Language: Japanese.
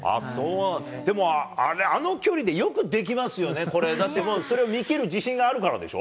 でも、あれ、あの距離でよくできますよね、これ、だってもう、それを見切る自信があるからでしょ？